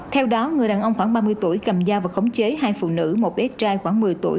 theo đó người đàn ông khoảng ba mươi tuổi cầm dao và khống chế hai phụ nữ một bé trai khoảng một mươi tuổi